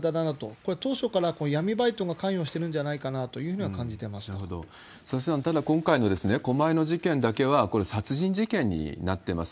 これ、当初から闇バイトが関与してるんじゃないかなというふうには感じ佐々木さん、ただ、今回の狛江の事件だけは、これ、殺人事件になってます。